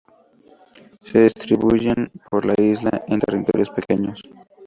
Se distribuyen por la isla en territorios pequeños.